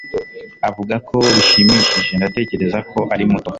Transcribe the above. avuga ko bishimishije; ndatekereza ko ari muto